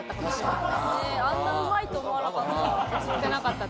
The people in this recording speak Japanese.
あんなうまいと思わなかった。